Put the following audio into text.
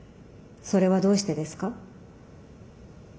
それはどうしてですか？